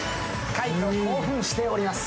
海音、興奮しております。